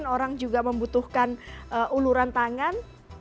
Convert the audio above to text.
orang juga membutuhkan uluran tangan